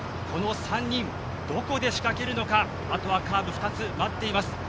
この３人どこで仕掛けるのかカーブ２つ待っています。